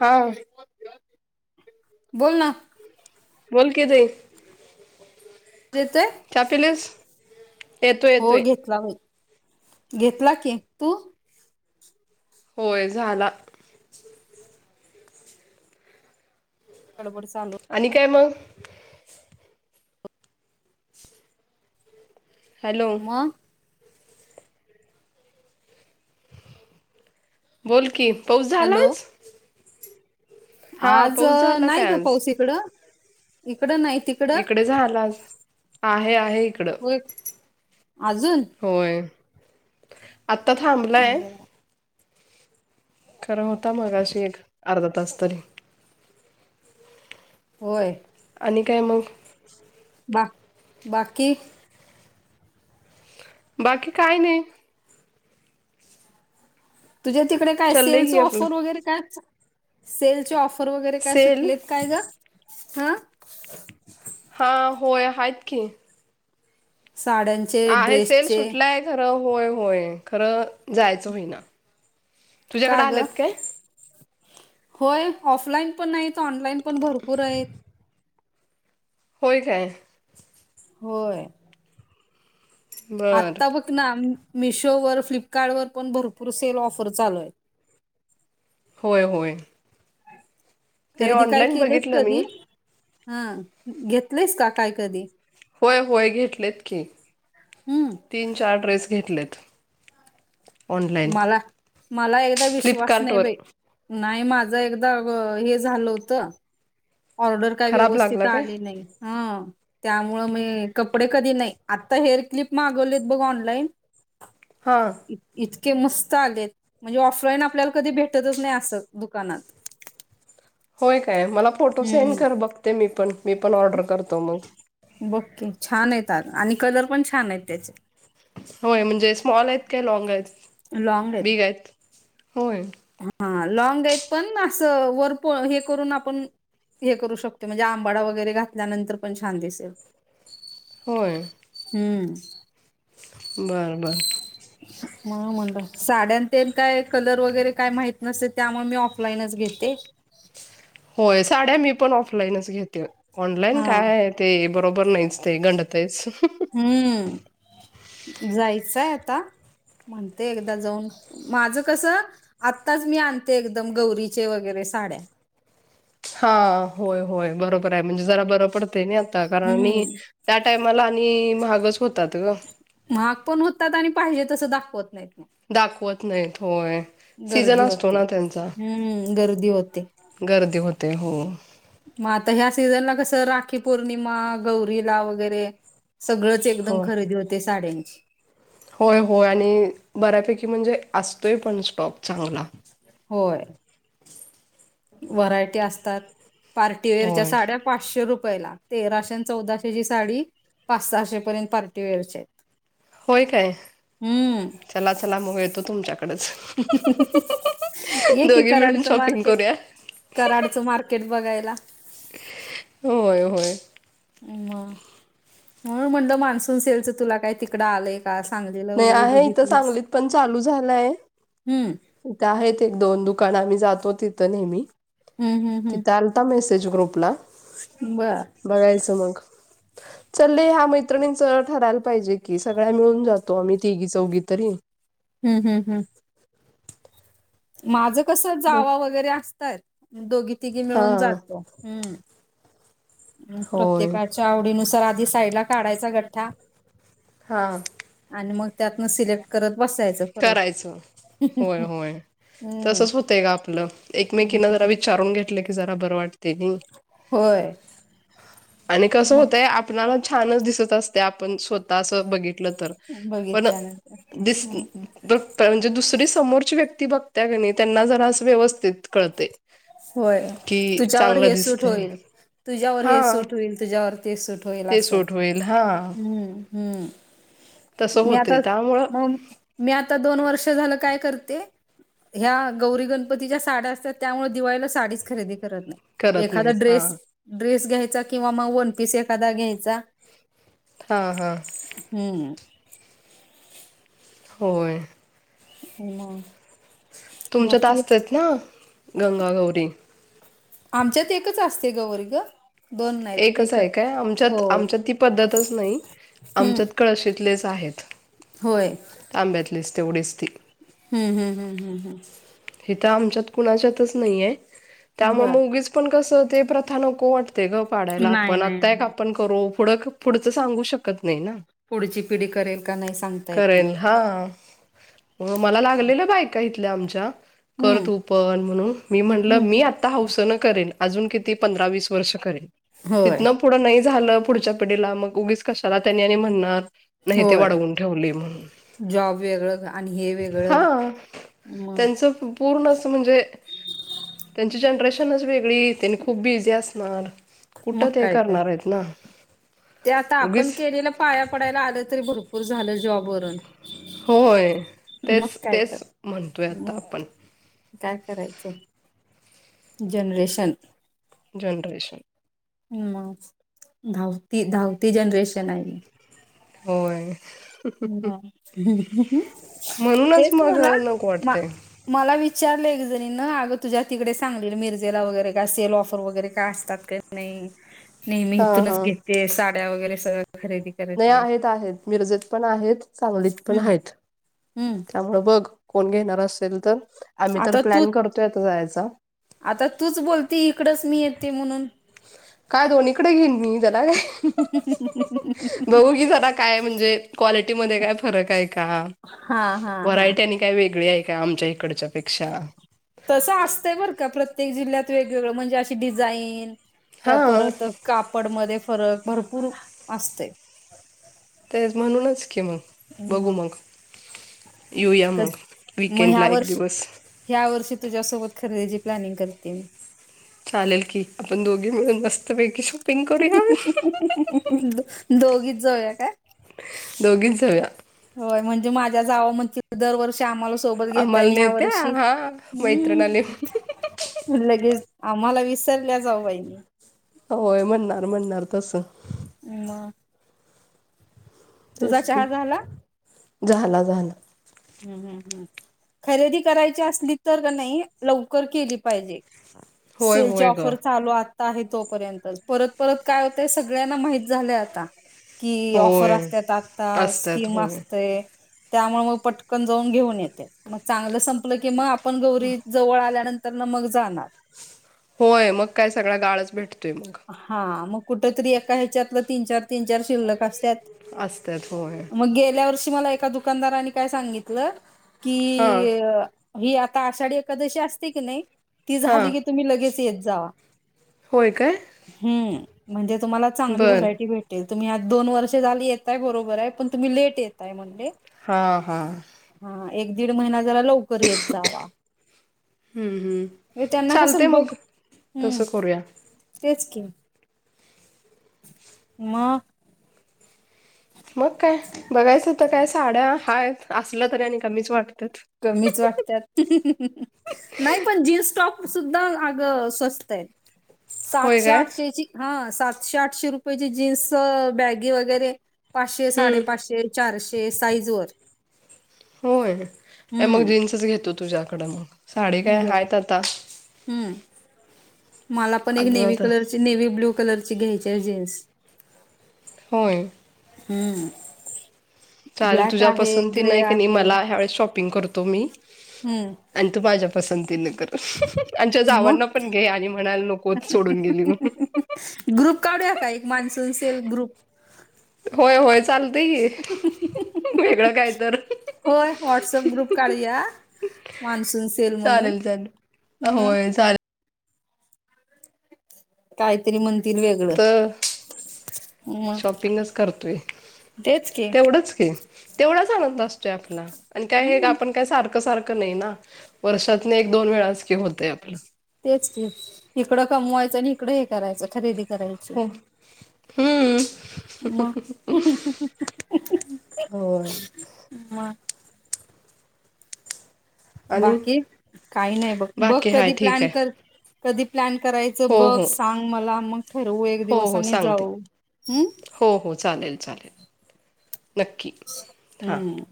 हां बोल ना. बोल की ताई येतोय चहा पिलीस. येतोय हो येतोय घेतला बाई घेतला की. तू? होय झाला. गडबड चालू. आणि काय मग? हॅलो मग बोल की. पाऊस झाला हॅलो आज? हा आज पाऊस झाला नाही काय ग आज पाऊस इकड. इकड नाही तिकड इकडे झाला आज आहे आहे इकडं होय. आजून होय आत्ता थांबलाय. बरं. खर होता मगाशी एक अर्धा तास तरी. होय आणि काय मग? बा बाकी बाकी काही नाही. तुझ्या तिकडे काय चाललंय सेलच की आपलं ऑफर वगैरे काय सेल ची ऑफर वगैरे काय सेल सुटले. काय ग हां? हां होय आहेत की. साड्यां आहे सेल सुटलाय खर होय होय खर जायच होईना. का तुझ्याकडे ग आलेत काय होय ऑफलाईन पण नाही ऑनलाईन पण भरपूर आहेत. होय काय? होय. बर आता बघ ना, मिशोवर फ्लिपकार्टवर वर पण भरपूर सेल ऑफर चालू आहेत. होय होय, ते खरेदी काय ऑनलाईन केलेस, बघितलं मी कधी हा घेतलेस का काय कधी होय होय घेतलेत की, हम्म, तीन - चार ड्रेस घेतलेत. ऑनलाईन मला मला एकदा विश्वास नाही फ्लिपकार्टवर बाई. नाही. माझं एकदा हे झालं होतं. ऑर्डर काही खराब व्यवस्थित लागला काय आली नाही हा, त्यामुळं मी कपडे कधी नाही. आत्ता हेअर क्लिप मागवलीत बघ ऑनलाईन. हा, इतके मस्त आलेत म्हणजे ऑफलाईन आपल्याला कधी भेटतच नाही असं दुकानात. होय काय? मला फोटो सेंड हम्म कर बघते मी पण मी पण ऑर्डर करतो मग, बघ की छान येतात आणि कलर पण छान आहेत त्याचे होय, म्हणजे स्मॉल आहेत काय? लाँग आहेत? बिग आहेत होय? हा लॉंग आहे. पण असं वर पो हे करून आपण हे करू शकतो म्हणजे आंबाडा वगैरे घातल्यानंतर पण छान दिसेल. होय, हम्म, बरं बरं, [inaudible] म्हणून म्हणलं, साड्या ते काय कलर वगैरे काय माहीत नसते. त्यामुळे मी ऑफलाईनच घेते. होय, साड्या मी पण ऑफलाईनच घेते. ऑनलाईन हा काय? ते बरोबर नाहीच ते गंडतेच. हम्म जायचंय आता म्हणते. एकदा जाऊन माझं कसं आत्ताच मी आणते. एकदम गौरीचे वगैरे साड्या. हा होय होय बरोबर आहे. म्हणजे जरा बर पडतय नाही. आता कारण नाही. हम्म त्या टायमाला आणि महागच होतात ग. महाग पण होतात आणि पाहिजे तसं दाखवत नाहीत मग, दाखवत नाही. होय, सीझन गर्दी असतो होते. ना त्यांचा हम्म, गर्दी होते. गर्दी होते. हो, मग आता ह्या सीझनला कसं राखी पौर्णिमा गौरीला वगैरे सगळं चे एकदम होय खरेदी होते साड्यांची. होय होय, आणि बऱ्यापैकी म्हणजे असतोय पण स्टॉक चांगला. होय. व्हरायटी असतात. पार्टीवेअरच्या होय साड्या पाचशे रुपयाला तेराशे आणि चौदाशेची साडी. पाच - सहाशे पर्यंत पार्टी वेअरचे होय काय? चला चला मग येतो. तुमच्याकडे एकी दोघी मिळून कराडचे शॉपिंग मार्केट करूया कराडचं मार्केट बघायला. होय-होय. म हो म्हणलं, मान्सून सेलचं तुला काय तिकडं आलंय? का, सांगलीला? नाही, वगैरे आहे इथं. बघितलीस सांगलीत पण चालू झालंय. हम्म इथं आहेत एक-दोन दुकानं, आम्ही जातो तिथं नेहमी, हम्म हम्म तिथं आ टाकलायं मेसेज ग्रूपला. बरं. बघायचं मग. चाले. ह्या मैत्रिणींच ठरायला पाहिजे की सगळ्या मिळून जात हो, आम्ही तिघी-चौघी तरी हम्म-हम्म. माझं कसं मग जावा वगैरे असतय, दोघी-तिघी हा मिळून जातो. होय प्रत्येकाच्या आवडीनुसार आधी साईडला काढायचा गठ्ठा. हा. आणि मग त्यातनं सिलेक्ट करत बसायचं. परत करायचं. होय-होय, हम्म तसंच होतंय का आपलं? हम्म. एकमेकीना जरा विच रून घेतलं की जरा बरं वाटतंय ती, होय. आणि कसं मग होतयं आपणाला छानच दिसत असते. आपण स्वतः. असं बघितलं तर पण बघितल्यानंतर दिस हम्म म्हणजे दुसरी समोरची व्यक्ती बघत का नाही? त्यांना जरा असं व्यवस्थित कळते. होय, कि तुझ्यावर चांगलं हे सूट दिसतय. होईल. तुझ्यावर हे हा. सूट होईल, तुझ्यावर ते सूट होईल ते असं. सूट होईल हा हम्म-हम्म, तसं मी होते आता त्यामुळं मग. मी आता दोन वर्ष झालं काय करते. ह्या गौरी-गणपतीच्या साड्या असतात, त्यामुळे दिवाळीला साडीच खरेदी. खरं नाही, करत एखादा नाहीस हा. ड्रेस ड्रेस घ्यायचा किंवा मग वन-पीस एखादा घ्यायचा. हा-हा. हम्म. होय. हो ना. तुमच्यात असत्यात ना, गंगा-गौरी? आमच्यात एकच असते, गौरी गं. एकच आहे काय आमच्यात? होय आमच्यात ती पद्धतच नाही. हम्म आमच्यात कळशीतलेच आहेत. होय तांब्यातलेच तेवढीच ती. हम्म-हम्म, हम्म-हम्म. हिथं आमच्यात कुणाच्यातच नाहीये, बर त्यामुळे ऊगीच. पण कसं ते? प्रथा नको वाटते गं पाडायला. नाही आपण नाही आता एक नाही आपण पुढं-पुढंच सांगू शकत नाही ना. पुढची पिढी करेल का नाही, सांगता येत नाही. करेल हा, म मला लागलेल्या बायका इथल्या आमच्या कर हम्म तू पण म्हणून, मी म्हंटलं मी हम्म आ हौसन करेन अजून किती? पंधरा-वीस वर्ष करेल होय तिथनं पुढं नाही झालं, पुढच्या पिढीला मग उगीच कशाला त्यांनी आणि म्हणणार नाही, ते होय वाढवून ठेवले म्हणून. जॉब वेगळं आणि हे वेगळं हा मग त्यांचं पूर्ण असं म्हणजे. त्यांची जनरेशनच वेगळी, त्यांनी खूप बिझी असणार. मग कुठं ते काय तर करणार आहेत ना, ते आता आपण उगीच. केलेलं पाया पडायला आलं तरी, भरपूर झालं जॉबवरून. होय. तेच, मग काय तर तेच म्हणतोय आता मग आपण. काय करायचं? जनरेशन जनरेशन मग धावती-धावती जनरेशन हाय ही. होय. मग... म्हणूनच मग नको वाटतयं. मला विचारलं एक जणीनं अगं तुझ्या तिकडे सांगलीला मिरजेला वगैरे काय सेल ऑफर वगैरे काय असतात काय? नाही नेहमी हा इथूनच हा घेते, साड्या वगैरे सगळं खरेदी नाही करते आहेत-आहेत मिरजेत पण आहेत, सांगलीत पण हम्म आहेत हम्म त्यामुळं बघ. कोण घेणार असेल तर, आम्ही तर आता तू प्लॅन करतोय आता जायाचा. आता तूच बोलती इकडंच मी येते म्हणून. काय दोन्हीकडं घेईन मी त्याला काय. [unintelligible] बघू की जरा काय म्हणजे क्वालिटी मध्ये काय फरक आहे का? हां.. हा... हा... व्हरायटी आणि काय वेगळी आहे का, आमच्या इकडच्या पेक्षा. तसं असतंय बरं का, प्रत्येक जिल्ह्यात वेगवेगळं म्हणजे अशी डिझाईन त्या हा परत कापडमध्ये फरक भरपूर असतयं. तेच म्हणूनच की मग. बघू हम्म. मग, येऊया मग, कध मग वीकेंड ह्या ला एक वर्ष दिवस. ह्या वर्षी तुझ्यासोबत खरेदीची प्लॅनिंग करतीये मी. चालेल की, आपण दोघी मिळून बस [unintelligible] दोघीच जाऊया काय? दोघींच जाऊया. होय म्हणजे माझ्या जावा म्हणतील दरवर षी आमाला सोबत घेताय आम्हाला आणि ह्या नेते वर्षी हा हूं.... मैत्रिणाले लगेच आम्हांला विसरल्या जाऊबाई. होय म्हणणार, म्हणणार तसं. मग तुझा तेच की, चहा झाला झाला झाला. हूं.. हूं.. हूं... खरेदी करायची असली तर का नई लवकर केली पाहिजे. होय सेल होय ग ऑफर चालू आत आहे तोपर्यंत परत- परत काय होतंय, सगळ्यांना माहित झालंय आता. कि ऑफर होय असत्यात आत्ता, असतात स्कीम होय असतंय त्यामुळं मग पट कन जावून घेऊन येतय मग चांगलं संपलं की, मग आपण गौरी जवळ आल्यानंतरनं मग जाणार. होय मग काय सगळा गाळच भेटतोय मग. हा मग कुठं तरी एका ह्याच्यातलं तीन-चार तीन-चार शिल्लक असत्यात, असतात होय मग गेल्या वर्षी मला एका दुकानदारानी काय सांगित लं की हां ही आता आषाढी एखादशी असते की नाही, ती हां झाली की, तुम्ही लगेच येत जावा. होय काय हम् म्हणजे तुम्हाला चांगली बर व्हरायटी भेट ल, तुम्ही आज दोन वर्ष झाली येताय बरोबर आहे पण तुम्ही लेट यताय म्हंणले हां- हां, हा एक दीड महिना जरा लवकर येत जावा. हम् -हम् म्हणजे त्यांना कसं चालतंय बघ मग हम्म तसं करूया. तेच कि, मग मग काय बघायचं होत काय साड्या हायेत असला तरी आणि कमीच वाटतेत. कमीच वाटतात, हं, हु, हु नाही पण जीन्स टॉप सुद्धा अग स्वस्त आहेत. होय सातशे काय आठशेची हा, सातशे आठशे रुपयाची जीन्स बॅगी वगैरे पाचशे, हम्म साडेपाचशे, चारशे साईज वर होय अ मग हम्म जीन्सच घेतो तुझ्याकडं मग, साडी काय बरं हायेत आता. हम्म, मला पण एक अजून नेवी आता कलरची, नेवी ब्ल्यू कलरची घ्यायची आहे जीन्स. होय, हम्म, चालंल ब्लॅक तुझ्या आहे, पसंती ग्रे नाही क नाही आहे. मला ह्या वेळेस शॉपिंग करतो मी. हम्म, आणि तू माझ्या पसंतीने कर. अं, हु, हु आमच्या मग जावांना पण घे आणि म्हणायला नकोत सोडून गेली म्हणुन. ग्रुप काढूया का, एक मान्सून सेल् ग्रुप? होय -होय चालतंय कि. होय, व्हॉट्सअप ग्रुप काढूया मान्सून सेल म्हणून चालेल चालेल म होय चालेल काहीतरी म्हणंतील येगळं. तर हम्, शॉपिंगच करतोय. तेच की, तेवढंच की, तेवढाच आनंद असतोय आपला आणि त्या येड हम्म आपण का सारख सारखं नाही ना, वर्षातनं एक, दोन वेळाच की होतंय आपलं. तेच ते इकडं कमवायचं आणि इकडं हे करायचं, खरेदी करायची. हम्म, मग हो, म, आणि बाकी, काही नाही बघ, बघ बाकी हाय कधी ठीक प्लॅन आहे कर कधी प्लॅन करायचं हो बघ हो सांग मला, मग ठरवू एक हो दिवस हो आणि सांगते जाऊ. हम्म हो -हो, चालेल- चालेल, नक्की. हां हम्म,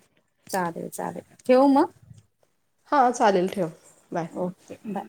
चालेल -चालेल ठेवु मग? हां, चालेल ठेवं बाय. Okay bye.